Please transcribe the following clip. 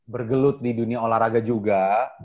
bergelut di dunia olahraga juga